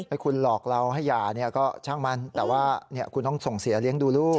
คุณหลอกเราให้หย่าเนี่ยก็ช่างมันแต่ว่าคุณต้องส่งเสียเลี้ยงดูลูก